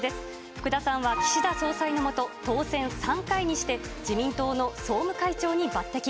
福田さんは岸田総裁の下、当選３回にして、自民党の総務会長に抜てき。